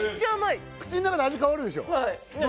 口ん中で味変わるでしょ